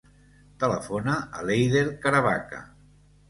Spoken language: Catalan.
Telefona a l'Eider Caravaca.